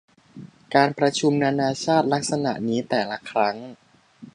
การประชุมนานาชาติลักษณะนี้แต่ละครั้ง